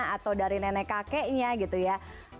atau dari nenek kakeknya gitu ya